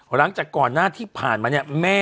หลังจากก่อนหน้าที่ผ่านมาเนี่ย